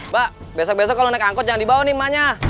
mbak besok besok kalau naik angkot jangan dibawa nih emaknya